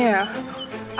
kita harus menang